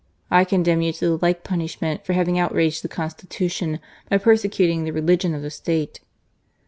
I condemn you to the like punishment for having outraged the Consti tution by persecuting the religion of the State."